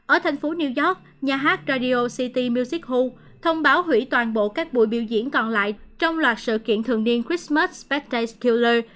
ở thành phố new york nhà hát radio city music hall thông báo hủy toàn bộ các buổi biểu diễn còn lại trong loạt sự kiện thường niên christmas spectacular